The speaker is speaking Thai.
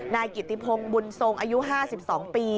นายกิติพงศ์บุญทรงอายุ๕๒ปี